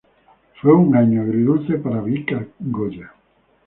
Fue un año agridulce para Vícar Goya.